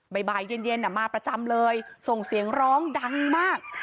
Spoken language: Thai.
บ่ายบ่ายเย็นเย็นอ่ะมาประจำเลยส่งเสียงร้องดังมาก